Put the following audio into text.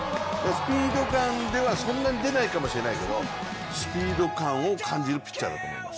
スピードガンではどんなに出ないかもしれないけどスピード感を感じるピッチャーだと思います。